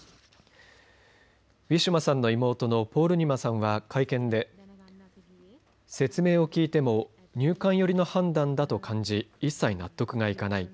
ウィシュマさんの妹のポールニマさんは会見で説明を聞いても入管寄りの判断だと感じ一切納得がいかない。